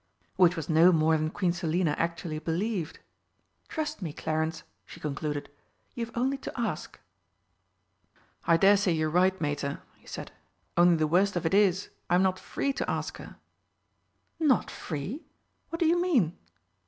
Which was no more than Queen Selina actually believed. "Trust me, Clarence," she concluded, "you've only to ask." "I dare say you're right, Mater," he said, "only the worst of it is I'm not free to ask her." "Not free? What do you mean?"